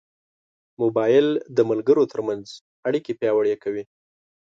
موبایل د ملګرو ترمنځ اړیکې پیاوړې کوي.